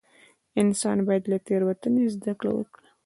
انسان باید له تېروتنې زده کړه وکړي.